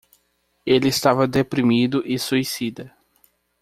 Ele estava deprimido e suicida.